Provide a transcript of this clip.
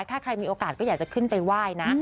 ถ้าใครมีโอกาสก็อยากจะขึ้นไปไหว้นะ